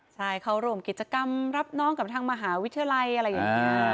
ใช่เขาร่วมกิจกรรมรับน้องกับทางมหาวิทยาลัยอะไรอย่างนี้